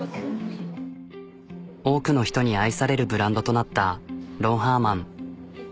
多くの人に愛されるブランドとなったロンハーマン。